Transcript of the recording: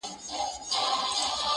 o راته يادېږې شپه كړم څنگه تېره.